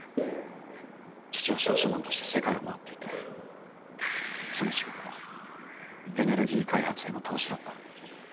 父は商社マンとして世界を回っていてその仕事がエネルギー開発への投資だった。